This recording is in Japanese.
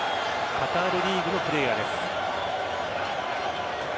カタールリーグのプレーヤーです。